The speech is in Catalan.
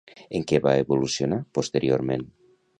En què va evolucionar posteriorment?